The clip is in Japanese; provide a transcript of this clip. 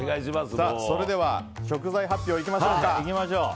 それでは食材発表いきましょうか。